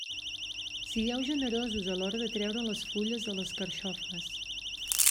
Sigueu generosos a l'hora de treure les fulles a les carxofes.